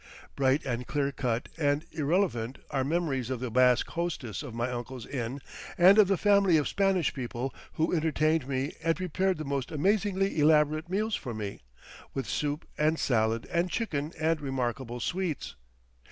Bright and clear cut and irrelevant are memories of the Basque hostess of my uncle's inn and of the family of Spanish people who entertained me and prepared the most amazingly elaborate meals for me, with soup and salad and chicken and remarkable sweets.